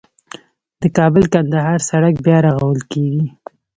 د کابل - کندهار سړک بیا رغول کیږي